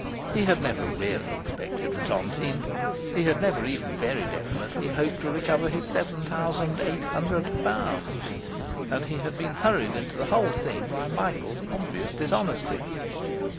He had never really expected the tontine; he had never even very definitely hoped to recover his seven thousand eight hundred pounds; he had been hurried into the whole thing by Michael's obvious dishonesty.